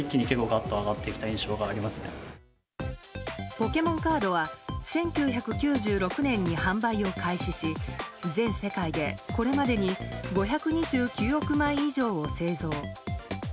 ポケモンカードは１９９６年に販売を開始し全世界で、これまでに５２９億枚以上を製造。